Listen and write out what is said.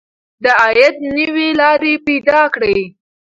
د عاید نوې لارې پیدا کړئ.